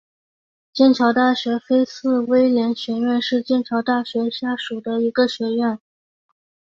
剑桥大学菲茨威廉学院是剑桥大学下属的一个学院。